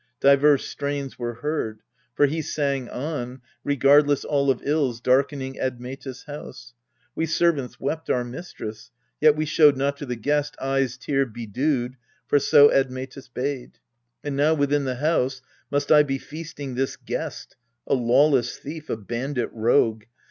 Diverse strains were heard ; For he sang on, regardless all of ills Darkening Admetus' house ; we servants wept Our mistress : yet we showed not to the guest Eyes tear bedewed, for so Admetus bade. And now within the house must I be feasting This guest a lawless thief, a bandit rogue